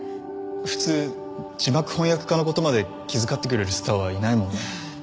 普通字幕翻訳家の事まで気遣ってくれるスターはいないもんね。